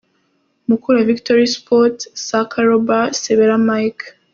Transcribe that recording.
Mukura Victory Sports: Saaka Rober, Sebera Mike.